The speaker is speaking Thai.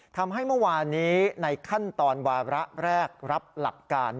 ทำให้เมื่อวานนี้ในขั้นตอนวาระแรกรับหลักการ